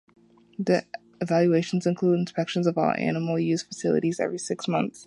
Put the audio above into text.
The evaluations include inspections of all animal use facilities every six months.